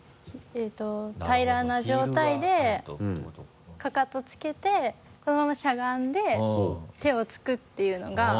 平らな状態でかかとつけてこのまましゃがんで手をつくっていうのが。